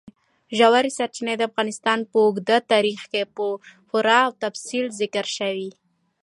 ژورې سرچینې د افغانستان په اوږده تاریخ کې په پوره تفصیل ذکر شوی.